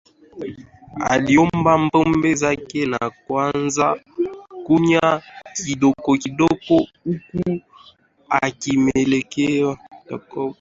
Aliomba pombe zake na kuanza kunywa kidogo kidogo huku akimuelekeza Jacob njia ya kupita